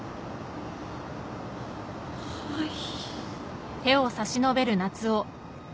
はい。